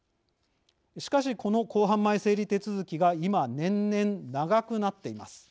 しかしこの公判前整理手続きが今年々長くなっています。